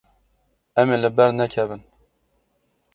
Em ê li ber nekevin.